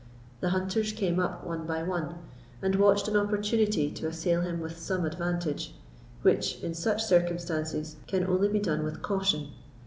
The hunters came up one by one, and watched an opportunity to assail him with some advantage, which, in such circumstances, can only be done with caution.